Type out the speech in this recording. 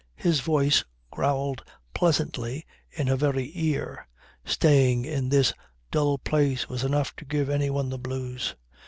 His voice growled pleasantly in her very ear. Staying in this dull place was enough to give anyone the blues.